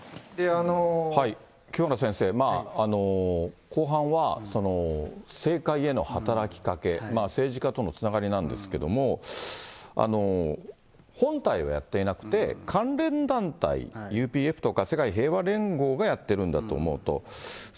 清原先生、後半は政界への働きかけ、政治家とのつながりなんですけれども、本体はやっていなくて、関連団体、ＵＰＦとか、世界平和連合がやっているんだと思うと。